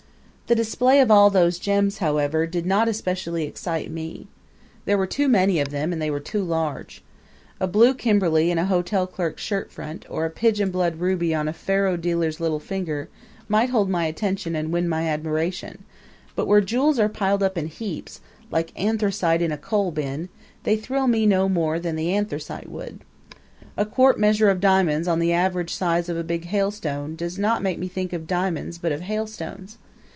The display or all those gems, however, did not especially excite me. There were too many of them and they were too large. A blue Kimberley in a hotel clerk's shirtfront or a pigeonblood ruby on a faro dealer's little finger might hold my attention and win my admiration; but where jewels are piled up in heaps like anthracite in a coal bin they thrill me no more than the anthracite would. A quart measure of diamonds of the average size of a big hailstone does not make me think of diamonds but of hailstones.